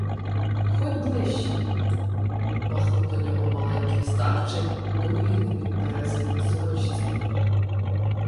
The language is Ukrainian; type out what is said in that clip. — Ходь ближчій, — махнув до нього маленький старчик у довгій непідперезаній сорочці.